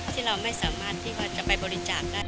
ที่เราไม่สามารถที่ว่าจะไปบริจาคได้